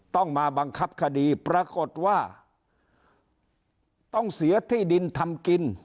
ต้องมาบังคับคดีปรากฏว่าต้องเสียที่ดินทำกิน